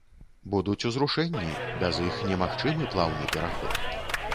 Будуць узрушэнні, без іх немагчымы плаўны пераход.